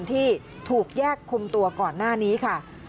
ที่ถูกแยกคุมตัวก่อนหน้านี้ค่ะ